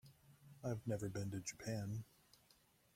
I've never been to Japan.